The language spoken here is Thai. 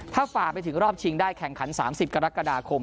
ถ้าฝ่าไปถึงรอบชิงได้แข่งขัน๓๐กรกฎาคม